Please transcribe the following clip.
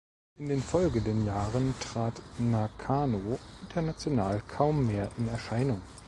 In den folgenden Jahren trat Nakano international kaum mehr in Erscheinung.